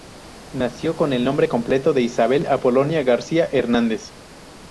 Nació con el nombre completo de Isabel Apolonia García Hernández.